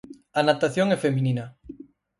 A natación é feminina.